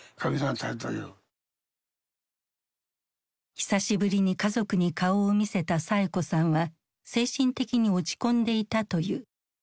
久しぶりに家族に顔を見せたサエ子さんは精神的に落ち込んでいたという。